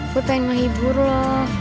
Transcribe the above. gue pengen nghibur lo